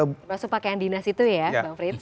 termasuk pakaian dinas itu ya bang frits